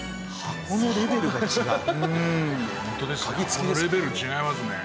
箱のレベル違いますね。